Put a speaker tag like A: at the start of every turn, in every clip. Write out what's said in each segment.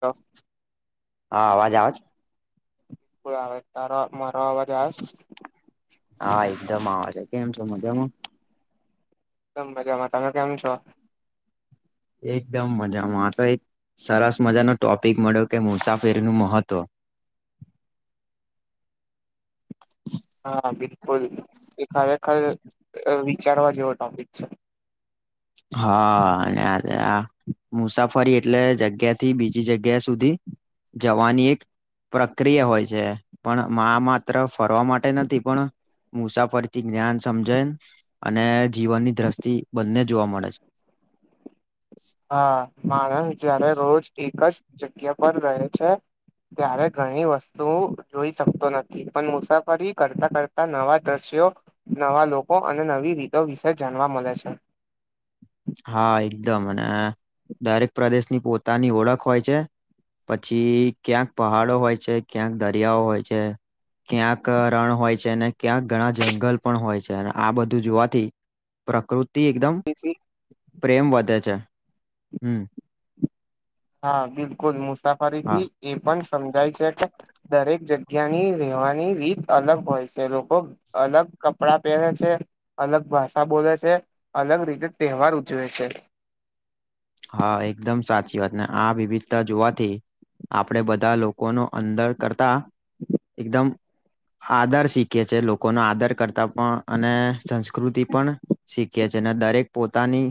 A: તો.
B: હા, અવાજ, આવાજ.
A: બિલકુલ, તારો મારો અવાજ આવે.
B: હા, એકદમ આવજ કેમ છે, મજામાં?
A: એકદમ મજામાં, તમે કેમ છો?
B: એકદમ મજામાં તો, એક સરસ, મજાનો ટોપિક મળ્યો કે, મુસાફરીનું મહત્વ
A: હા, બિલકુલ, એ ખરેખર વિચારવા જેવો ટોપિક છે.
B: હા, હ. મુસાફરી એટલે, જગ્યાથી બીજી જગ્યા સુધી જવાની એક પ્રક્રિયા હોય છે, પણ માત્ર ફરવા માટે નથી, પણ મુસાફરીથી જ્ઞાન સમજાય, અને જીવનની દ્રષ્ટિ બંને જોવા મળે છે.
A: હા, માણસ જયારે રોજ એક જ જગ્યા પર રહે છે. ત્યારે ઘણી વસ્તુ જોઈ શકતો નથી, પણ મુસાફરી કરતા કરતા નવા દ્રશ્યો નવા લોકો અને નવી રીતો વિશે જાણવા મળે છે.
B: [unintelligible] હા, એકદમ અને દરેક પ્રદેશની પોતાની ઓળખ હોય છે. પછી ક્યાંક પહાડો હોય છે, ક્યાંક દરિયાઓ હોય છે. ક્યાંક રણ હોય છે, અને ક્યાંક ઘણા જંગલ પણ હોય છે, અને આ બધું જોવાથી પ્રકૃતિ એકદમ
A: છે
B: પ્રેમ વધે છે, હમ.
A: હા, બિલકુલ, મુસાફરી
B: હા
A: થી એ પણ સમજાય છે કે દરેક જગ્યાની રહેેવાની રીત અલગ હોય છે, લોકો અલગ કપડા પહેરે છે. અલગ ભાષા બોલે છે, અલગ રીતે તહેવાર ઉજવે છે.
B: હા, એકદમ સાચી વાત ને, આ વિવિધતા જોવાથી આપણે બધા લોકોનો અંદર કરતા એકદમ આદર શીખે છે, લોકોનો આદર કરતા પણ, અને સંસ્કૃતિ પણ શીખી છે, અને દરેક પોતાની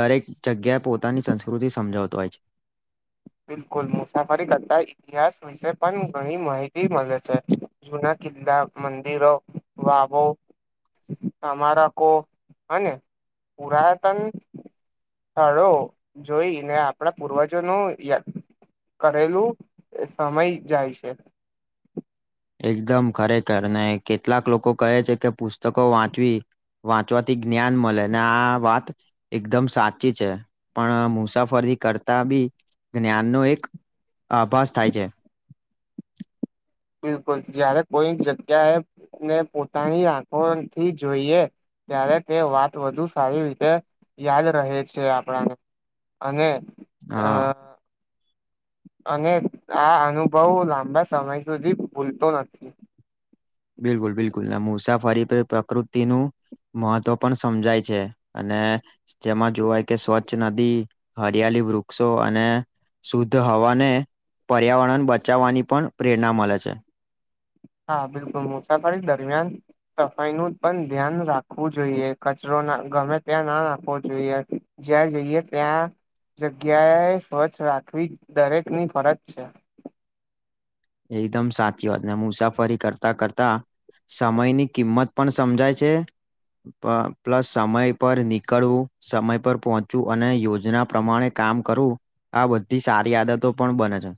B: દરેક જગ્યા પોતાની સંસ્કૃતિ સમજાવતો હોય છે.
A: બિલકુલ, મુસાફરી કરતા ઇતિહાસ વિશે પણ ઘણી માહિતી મળે છે, જુના કિલ્લા, મંદિરો, વાવો સ્મારકો અને પુરાતન હારો જોઈ ને, આપણા પૂર્વજો નું કરેલું સમય જાય છે.
B: એકદમ ખરેખર ને, કેટલાક લોકો કહે છે કે પુસ્તકો વાંચવી વાંચવાથી જ્ઞાન મળે ને, આ વાત એકદમ સાચી છે, પણ મુસાફરી કરતા બી જ્ઞાનનો એક આભાસ થાય છે. [unintelligible]
A: બિલકુલ, જયારે કોઈ જગ્યા એને પોતાની આંખોથી જોઈએ. ત્યારે તે વાત વધુ સારી રીતે યાદ રહે છે, આપણાને અને. અ
B: હા.
A: અને આ અનુભવ લાંબા સમય સુધી ભૂલતો નથી
B: બિલકુલ બિલકુલ ના મુસાફરી પ્રકૃતિનું મહત્વ પણ સમજાય છે, અને જેમાં જોવાય કે સ્વચ્છ નદી હરિયા લી વૃક્ષો અને શુદ્ધ હવાને પર્યાવરણ બચાવવાની પણ પ્રેરણા મલે છે.
A: હા બિલકુલ મુસાફરી દરમિયાન સફાઈનું પણ ધ્યાન રાખવું જોઈએ કચરો ગમે ત્યાં ના રાખવો જોઈએ જ્યાં જઈએ ત્યાં જગ્યાએ સ્વચ્છ રાખવી દરેકની ફરજ છે.
B: એકદમ સાચી વાત ને મુસાફરી કરતા કરતા સમયની કિંમત પણ સમજાય છે. પ પ્લસ સમય પર નીકળવું સમય પર પહોંચવું અને યોજના પ્રમાણે કામ કરવું આ બધી સારી આદતો પણ બને છે.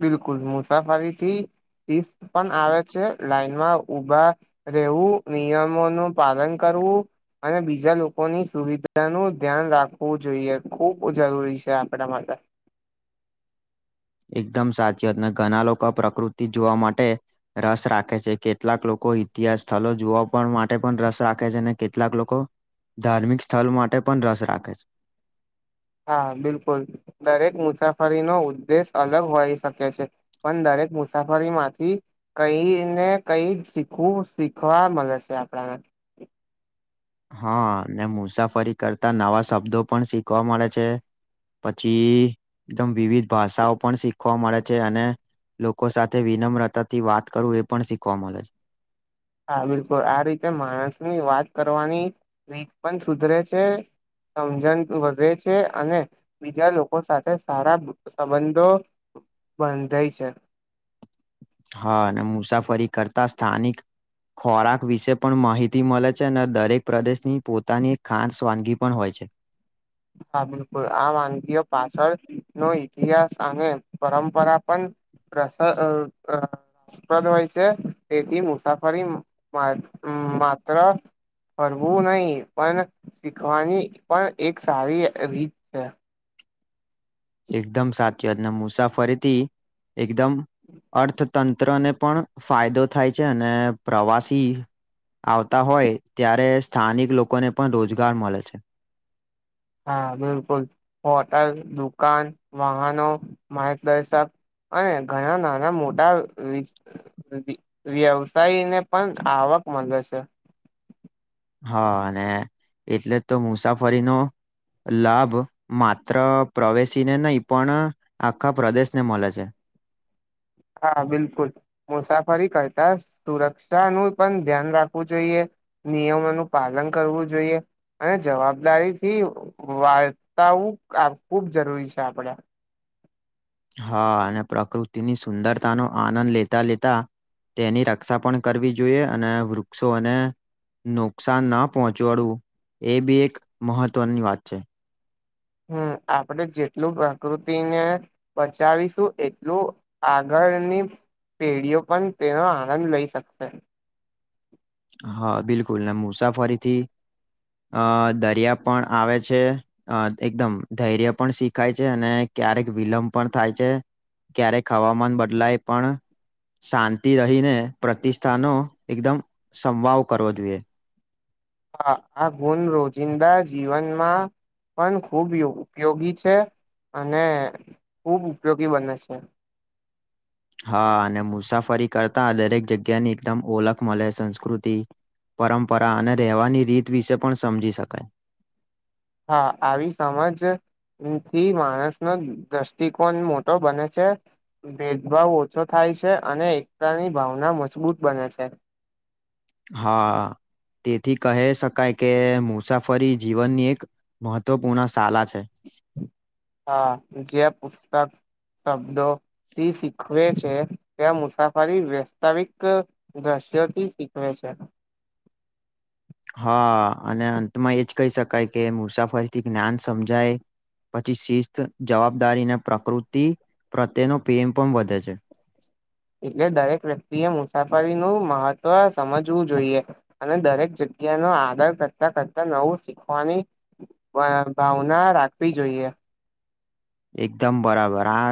A: બિલકુલ મુસાફરીથી [unintelligible] પણ આવે છે, લાઈનમાં ઉભા રહેવું નિયમો નું પાલન ક રવુ. અને બીજા લોકોની સુવિધાનું ધ્યાન રાખવું જોઈએ ખુબ જરૂરી છે, આપણા માટે
B: એકદમ સાચી વાત ઘણા લોકો પ્રકૃતિ જોવા માટે રસ રાખે છે, કેટલાક લો કો ઇતિહાસ સ્થલો જોવા પણ માટે પણ રસ રાખે છે, ને કેટલાક લોકો ધાર્મિક સ્થલ માટે પણ રસ રાખે છે.
A: હા બિલકુલ દરેક મુસાફરીનો ઉદ્દેશ અલગ હોઈ શકે છે, પણ દરેક મુસાફરી માંથી કઈ ને કઈ શીખવું શીખવા મલે છે, આપણાને
B: હા ને મુસાફરી કરતા નવા શબ્દો પણ શીખવા મળે છે. પછી એકદમ વિવિધ ભાષાઓ પણ શીખવા મળે છે, અને લોકો સાથે વિનમ્રતાથી વાત કરું એ પણ શીખવા મલે છે.
A: હા બિલકુલ આ રીતે માણસની વાત કરવાની રીત પણ સુધરે છે. સમજણ વધે છે, અને બીજા લોકો સાથે સારા સંબંધો બંધંધાય છે.
B: હા અને મુસાફરી કરતા સ્થાનિક ખોરાક વિશે પણ માહિતી મલે છે, અને દરેક પ્રદેશની પોતાની ખાનાન વાનગી પણ હોય છે.
A: હા બિલકુલ આ વાનગી પાછળ નો ઈતિહાસ અને પરંપરા પન [unintelligible] હોય છે, તેથી મુસાફરી મા માત્ર ફરવું નહી પણ શીખવાની પણ એ સારી રીત છે.
B: એકદમ સાચી વાતને મુસાફરીથી એકદમ અર્થ તંત્રને પણ ફાયદો થાય છે, અને પ્રવાસી આવતા હોય ત્યારે સ્થાનિક લોકોને પણ રોજગાર મલે છે.
A: હા બિલકુલ હોટલ, દુકાન, વાહનો, માર્ગદર્શક અને ઘણા નાના મોટા વ્યવસાયને પણ આવા ક મલે છે.
B: હા અને એટલે તો મુસાફરીનો લાભ માત્ર પ્રવેશીને નહીં પણ આખા પ્રદેશને મલે છે.
A: હા બિલકુલ મુસાફરી કરતા સુરક્ષાનું પણ ધ્યાન રાખવું જોઈએ નિયમોનુ પાલન કરવું જોઈએ અને જવાબદારી થી વાર્તાું ખૂબ જરૂરી છે આપડે
B: હા અને પ્રકૃતિની સુંદરતાનોો આનંદ લેતા લેતા તેની રક્ષા પણ કરવી જોઈએ અને વૃક્ષો અને નુકસાન ન પહોંચ વડવું એ બી એક મહત્ત્વની વાત છે
A: હમ આપણેે જેટલું પ્રકૃતિને બચાવીશું એટલું આગળ ની પેઢીઓ પણ તેનો આનંદ લઈ શકશે
B: હા બિલકુલ ના મુસાફરીથી અ દરિયા પણ આવે છે અ એકદમ ધૈર્ય પણ શીખાય છે અને ક્યારેક વિલંબ પણ થાય છે ક્યારેક હવામાન બદલાય પણ શાંતિ રહીને પ્રતિષ્ઠાનો એકદમ સંવાવ કરવો જોઈએ
A: હા આ ગુણ રોજિંદા જીવનમાં પણ ખૂબ ઉપયોગી છે અને ખુબ ઉપયોગી બને છે
B: [inaudible] હા અને મુસાફરી કરતા દરેક જગ્યાની એકદમ ઓલખ મળે સંસ્કૃતિ પરંપરા અને રહેવાની રીત વિશે પણ સમજી શકાય
A: હા આવી સમજ થી માણસ નો દ્રષ્ટિકોણ મોટો બને છે ભેદભાવ ઓછો થાય છે અને એકતાની ભાવના મજબૂત બને છે
B: હા તેથી કહી શકાય કે મુસાફરી જીવનની એક મહત્વપૂર્ણ શલા છે
A: તબ શબદો થી શીખવે છે ત્યાં મુસાફરી વસ્તવિક દ્રશ્યોથી શીખવે છે છે
B: [inaudible] હા અને અંતમાં એજ કહી શકાય કે મુસાફરીથી જ્ઞાન સમજાય પછી શિસ્ત જવાબદારી અને પ્રકૃતિ પ્રત્યેનો પ્રેમ પણ વધે છે [inaudible]
A: એટલે દરેક વ્યક્તિ એ મુસાફરીનુંું મહત્વ સમજવું જોઈએ અને દરેક જગ્યા જગ્યા નો આદર કરતા કરતા નવું શીખવાની ભાવના રાખવી જોઈએ
B: એકદમ બરાબર આ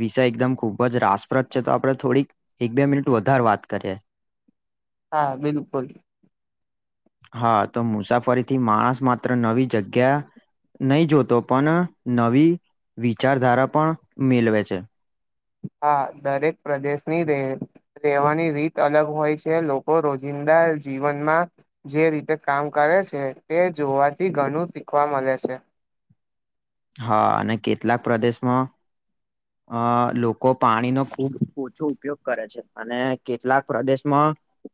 B: વિષય એકદમ ખૂબ જ રાસપ્રદ છે તો આપણે થોડીક એક બે મિનિટ વધારે વાત કરીએ [unintelligible] [inaudible]
A: હા બિલકુલ
B: હા તો મુસાફરીથી માણસ માત્ર નવી જગ્યા નહી જોતો પણ નવી વિચારધારા પણ મેલવે છે
A: હા દરેક પ્રદેશની રે રહેેવાની રીત અલગ હોય છે લોકો રોજિંદા જીવનમાં જે રીતે કામ કર છે તે જોવાથી ઘણું શીખવા મળે છે
B: હા અને કેટલાક પ્રદેશમાં અ લોકો પાણીનો ખૂબ ઓછો ઉપયોગ કરે છે અને કેટલાક પ્રદેશમાં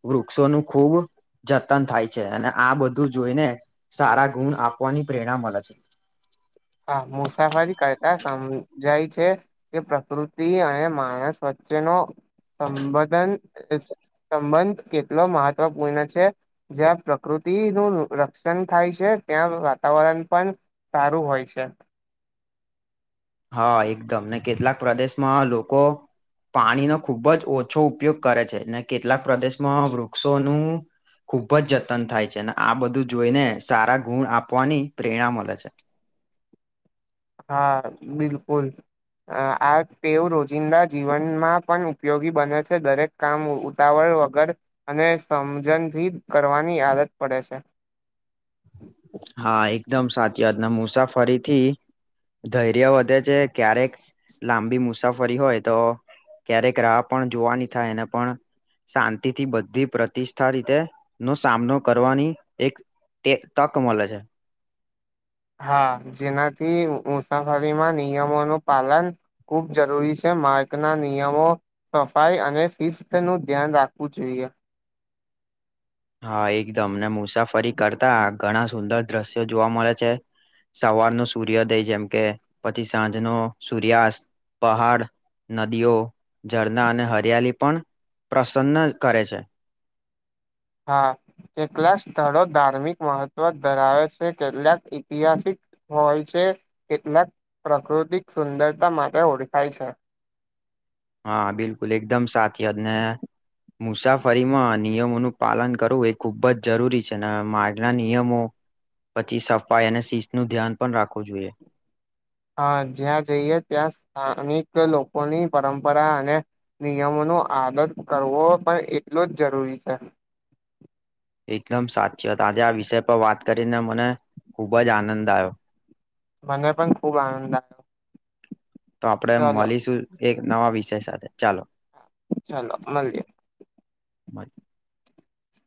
B: વૃક્ષોનું ખૂબ જતન થાય છે અને આ બધું જોઈને સારા ગુણ આપવાની પ્રેરણા મળે છે [unintelligible]
A: હા મુસાફરી કરતા સમજાય છે કે પ્રકૃતિ અને માણસ વચ્ચેનો અબદન સંબંધ કેટલો મહત્વપૂર્ણ છે જ્યાં પ્રકૃતિનુંું રક્ષણ થાય છે ત્યાં વાતાવરણ પણ સારું હોય છે
B: હા એકદમ ને કેટલાક પ્રદેશમાં લોકો પાણીનો ખૂબ જ ઓછો ઉપયોગ કરે છે ને કેટલાક પ્રદેશમાં વૃક્ષોનું ખૂબ જ જતન થાય છે અને આ બધું જોઈને સારા ગુણ આપવાની પ્રેરણા મળે છે [inaudible]
A: હા બિલકુલ આ ટેવ રોજિંદા જીવનમાં પણ ઉપયોગી બને છે દરેક કામ ઉતાવળ વગર અને સમજણથી કરવાની આદત પડે છે
B: હા એકદમ સાચી વાત ના મુસાફરીથી ધૈર્ય વધે છે ક્યારેક લાંબી મુસાફરી હોય તો ક્યારેક રાહ પણ જોવા ની થાય એને પણ શાંતિથી બધી પ્રતિષ્ઠા રીતે નો સામનો કરવાની એક તે તક મળે છે
A: હા જેનાથી મુસાફરીમાં નિયમોનું પાલન ખુબ જરૂરી છે માર્ગના નિયમો સફાઈ અને શિસ્ત નું ધ્યાન રાખવું જોઈએ
B: હા એકદમ ને મુસાફરી કરતા ઘણા સુંદર દ્રશ્યો જોવા મળે છે સવારનો સૂર્યોદય જેમ કે પછી સાંજ ન સૂર્યાસ્ત પહાડ નદીઓ ઝરણાં અને હરિયાલી પણ, પ્રસન્ન કરે છે.
A: હા, કેટલાક સ્થળો ધાર્મિક મહત્વ ધરાવે છે. કેટલાક ઈતિહાસિક. હોય છે. કેટલાક પ્રાકૃતિક સુંદરતા માટે ઓળખાય છે.
B: હા બિલકુલ એકદમ સાચી વાત ને. મુસાફરીમાં નિયમોનું પાલન કરવું એ ખૂબ જ જરૂરી છે ને માગના નિયમો પછી સફાઈ અને શિસ્ત નું ધ્યાન પણ રાખવું જોઈએ.
A: હ જ્યાં જઈએ ત્યાં સ્થાનિક લોકોની પરંપરા અને નિયમો નુ આદત કરવો પણ એટલો જ જરૂરી છે.
B: [inaudible] એકદમ સાચી વાત આજે આ વિષય પર વાત કરીને મને ખૂબ જ આનંદ આવ્યો.
A: મને પણ ખુબ આનંદ આ
B: તો આપડે મળીશું એક નવા વિષય સાથે ચાલો.
A: ચાલો મળીએ.
B: [inaudible]